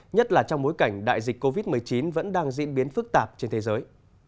nhất là trong bối cảnh đại dịch covid một mươi chín vẫn đang diễn biến phức tạp trên thế giới